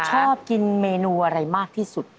ชอบกินเมนูอะไรมากที่สุด